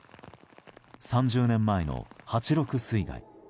３０年前の８・６水害。